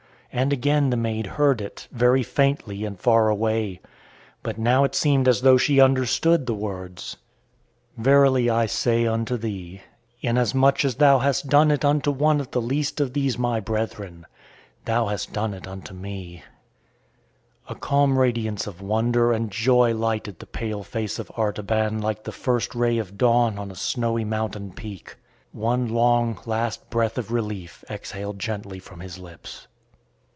And again the maid heard it, very faintly and far away. But now it seemed as though she understood the words: "_Verily I say unto thee, inasmuch as thou hast done it unto one of the least of these my brethren, thou hast done it unto me_." [Illustration: "THE OTHER WISE MAN HAD FOUND THE KING"] A calm radiance of wonder and joy lighted the pale face of Artaban like the first ray of dawn on a snowy mountain peak. One long, last breath of relief exhaled gently from his lips.